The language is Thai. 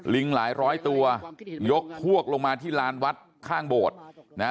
หลายร้อยตัวยกพวกลงมาที่ลานวัดข้างโบสถ์นะฮะ